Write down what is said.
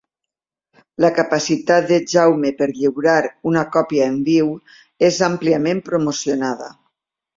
La capacitat de Jaume per lliurar una còpia en viu és àmpliament promocionada.